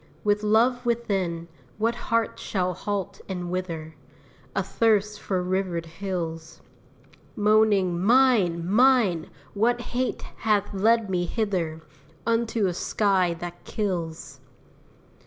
With love within, what heart shall halt and wither, Athirst for rivered hills? Moaning, "Mine! mine! what hate hath led me hither Unto a sky that kills?"